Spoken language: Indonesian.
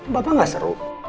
papa gak seru